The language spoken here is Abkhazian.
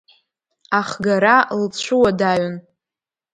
Ахгара лцәуадаҩын.